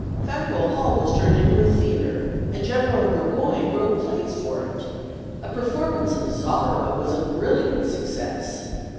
Faneuil Hall was turned into a theatre, and General Burgoyne wrote plays for it. A performance of "Zara" was a brilliant success.